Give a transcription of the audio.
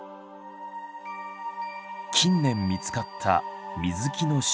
近年見つかった水木の手記。